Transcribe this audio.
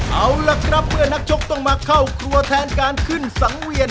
เอาล่ะครับเมื่อนักชกต้องมาเข้าครัวแทนการขึ้นสังเวียน